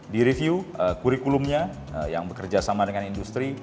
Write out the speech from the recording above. direview kurikulumnya yang bekerja sama dengan industri